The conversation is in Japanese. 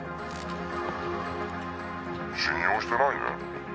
「」「信用してないね。